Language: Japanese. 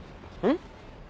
ん？